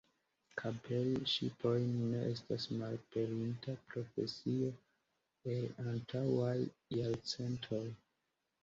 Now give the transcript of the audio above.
Kaperi ŝipojn ne estas malaperinta profesio el antaŭaj jarcentoj.